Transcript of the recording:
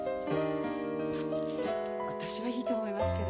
私はいいと思いますけど。